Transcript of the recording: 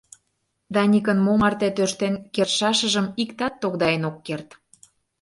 Даникын мо марте тӧрштен кертшашыжым иктат тогдаен ок керт.